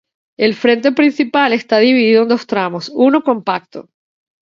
El frente principal está dividido en dos tramos; uno compacto.